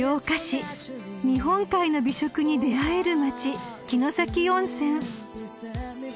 ［日本海の美食に出合える町城崎温泉］